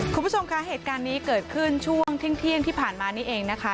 คุณผู้ชมคะเหตุการณ์นี้เกิดขึ้นช่วงเที่ยงที่ผ่านมานี่เองนะคะ